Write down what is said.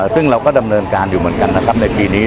ซึ่งเราก็ดำเนินการอยู่เหมือนกันนะครับในปีนี้